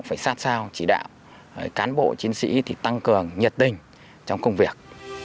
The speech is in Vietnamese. phải sát sao chỉ đạo cán bộ chiến sĩ thì tăng cường nhiệt tình trong công việc